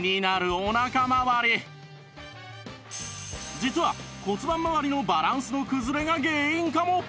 実は骨盤まわりのバランスの崩れが原因かも